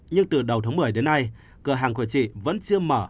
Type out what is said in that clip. nhưng từ đầu tháng một mươi đến nay cửa hàng của chị vẫn chưa mở